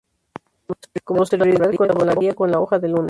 Con posterioridad colaboraría con la "Hoja del Lunes".